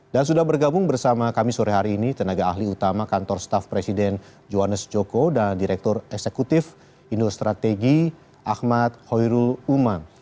dan sudah bergabung bersama kami sore hari ini tenaga ahli utama kantor staff presiden joanes joko dan direktur eksekutif industri strategi ahmad hoyrul uman